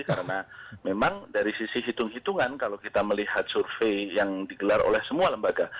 karena memang dari sisi hitung hitungan kalau kita melihat survei yang digelar oleh semua lembaga